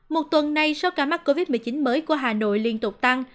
một tuần nay số ca mắc covid một mươi chín mới của hà nội liên tục tăng